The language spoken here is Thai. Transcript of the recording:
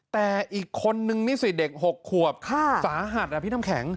แต่อีกคนนึงนี่สิเด็ก๖ขวบสาหัสนะพี่น้ำแข็ง